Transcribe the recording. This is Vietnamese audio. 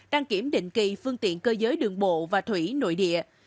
đăng kiểm định kỳ phương tiện cơ giới đường bộ và thủy nội địa